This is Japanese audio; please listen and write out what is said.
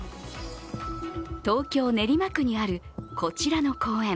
東京・練馬区にあるこちらの公園。